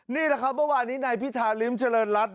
นี่แหละเมื่อวานนี้ในพิธาลิ้มเชริญรัฐ